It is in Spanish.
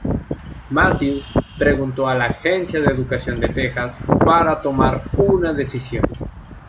Matthews preguntó a la Agencia de Educación de Texas para tomar una decisión.